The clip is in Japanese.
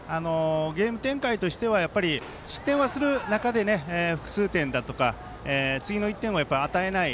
ゲーム展開としては失点はする中で複数点だとか次の１点は与えない